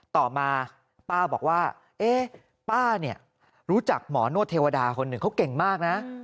ต่อมาป้าบอกว่าป้าเนี่ยรู้จักหมอนวดเทวดาคนหนึ่งเขาเก่งมากนะ